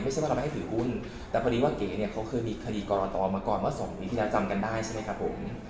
ไม่ใช่ว่าเราไม่ให้ถือหุ้นแต่พอดีว่าเก๋เนี่ยเขาเคยมีคดีกรตมาก่อนเมื่อสองปีที่แล้วจำกันได้ใช่ไหมครับผม